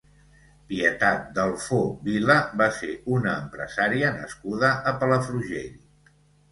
Pietat Dalfó Vila va ser una empresària nascuda a Palafrugell.